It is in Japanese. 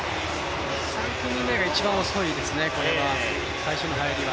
３組目が一番遅いですね、最初の入りは。